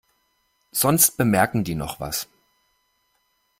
Sonst bemerken die noch was.